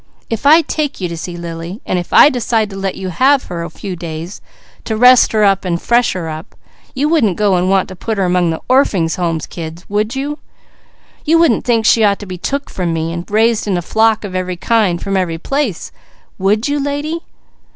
If I take you to see Lily, and if I decide to let you have her a few days to rest her and fresh her up, you wouldn't go and want to put her 'mong the Orphings' Home kids, would you? You wouldn't think she ought to be took from me and raised in a flock of every kind, from every place. Would you lady?"